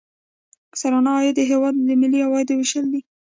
سرانه عاید د هیواد د ملي عوایدو ویشل دي.